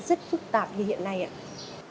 rất phức tạp như hiện nay ạ